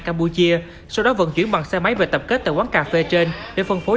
campuchia sau đó vận chuyển bằng xe máy về tập kết tại quán cà phê trên để phân phối